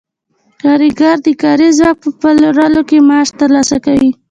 کارګر د کاري ځواک په پلورلو سره معاش ترلاسه کوي